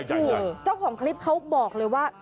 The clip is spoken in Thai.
เจ้าของคลิปเขาบอกเลยว่า